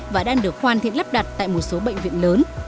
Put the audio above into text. và đang được hoàn thiện lắp đặt tại một số bệnh viện lớn